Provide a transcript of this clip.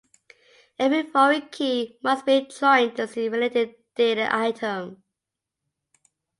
Every foreign key must be joined to see the related data item.